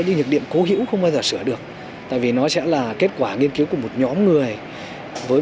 một cái khố hữu không bao giờ sửa được tại vì nó sẽ là kết quả nghiên cứu của một nhóm người với